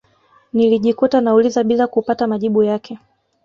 Nilijikuta nauliza bila kupata majibu yake